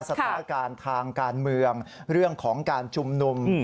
สถานการณ์ทางการเมืองเรื่องของการชุมนุม